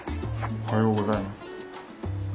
おはようございます。